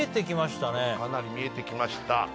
かなり見えてきました。